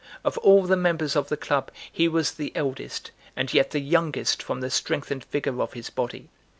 Of all the members of the club, he was the eldest, and yet the youngest from the strength and vigour of his body.